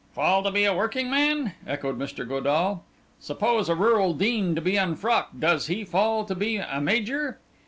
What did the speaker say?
'Fall to be a working man?' echoed Mr. Godall. 'Suppose a rural dean to be unfrocked, does he fall to be a major?